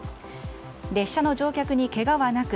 列車の乗客にけがはなく